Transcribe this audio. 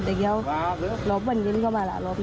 แล้วก็ลบวันเย็นก็มาระอารนี่